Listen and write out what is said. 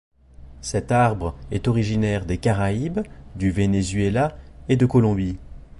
Cet arbre est originaire des Caraïbes, du Venezuela et de Colombie.